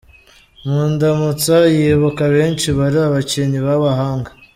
Mu Ndamutsa yibuka benshi bari abakinnyi b’abahanga.